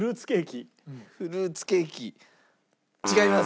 フルーツケーキ違います！